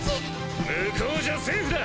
向こうじゃセーフだ。